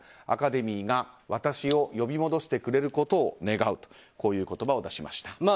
アカデミーが私を呼び戻してくれることを願うとこういう言葉を出しました。